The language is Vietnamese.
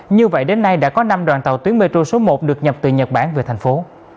như vậy đến nay đã có năm đoàn tàu tuyến metro số một được nhập từ nhật bản về thành phố